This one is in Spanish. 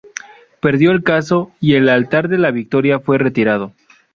Perdió el caso y el Altar de la Victoria fue retirado.